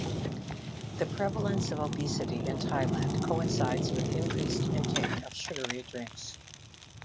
The prevalence of obesity in Thailand coincides with increased intake of sugary drinks.